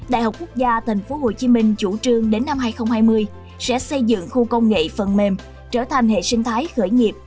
đại học quốc gia tp hcm chủ trương đến năm hai nghìn hai mươi sẽ xây dựng khu công nghệ phần mềm trở thành hệ sinh thái khởi nghiệp